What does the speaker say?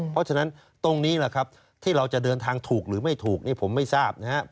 เพราะฉะนั้นตรงนี้แหละครับที่เราจะเดินทางถูกหรือไม่ถูกนี่ผมไม่ทราบนะครับ